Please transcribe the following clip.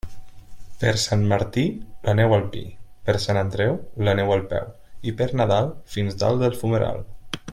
Per Sant Martí, la neu al pi; per Sant Andreu, la neu al peu, i per Nadal, fins dalt del fumeral.